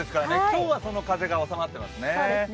今日はその風が収まってますね。